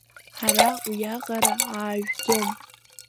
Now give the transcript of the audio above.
Ҳара уиаҟара аажәӡом!